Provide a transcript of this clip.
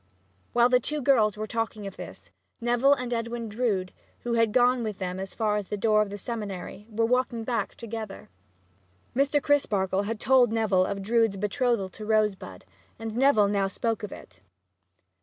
While the two girls were talking of this, Neville and Edwin Drood, who had gone with them as far as the door of the seminary, were walking back together. Mr. Crisparkle had told Neville of Drood's betrothal to Rosebud, and Neville now spoke of it.